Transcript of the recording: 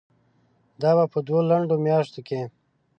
دا به په دوو لنډو میاشتو کې